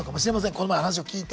この前話を聞いて。